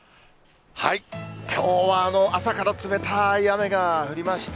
きょうは朝から冷たい雨が降りまして。